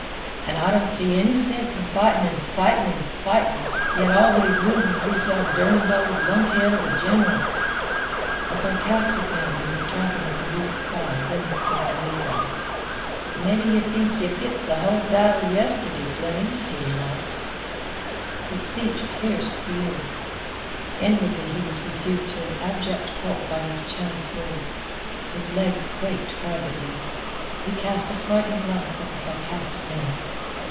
"And I don't see any sense in fighting and fighting and fighting, yet always losing through some derned old lunkhead of a general." A sarcastic man who was tramping at the youth's side, then spoke lazily. "Mebbe yeh think yeh fit th' hull battle yestirday, Fleming," he remarked. The speech pierced the youth. Inwardly he was reduced to an abject pulp by these chance words. His legs quaked privately. He cast a frightened glance at the sarcastic man.